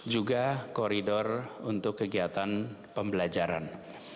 juga koridor untuk kegiatan pembelajaran